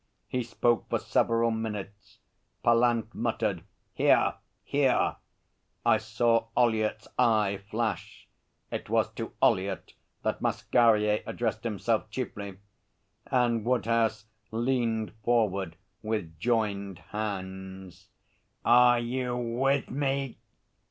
He spoke for several minutes. Pallant muttered 'Hear! hear!' I saw Ollyett's eye flash it was to Ollyett that Masquerier addressed himself chiefly, and Woodhouse leaned forward with joined hands. 'Are you with me?'